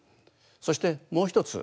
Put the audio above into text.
そしてもう一つ。